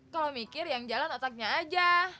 kalau mikir yang jalan otaknya aja